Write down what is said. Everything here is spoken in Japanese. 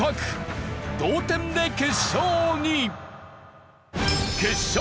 同点で決勝に！